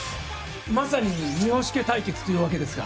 まさに三星家対決というわけですか？